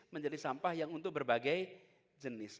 menjadi sampah yang untuk berbagai jenis